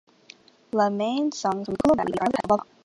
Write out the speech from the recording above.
Laman songs from Kullu Valley are another type of love song.